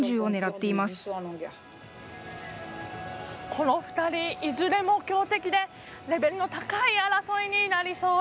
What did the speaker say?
この２人、いずれも強敵でレベルの高い争いになりそうです。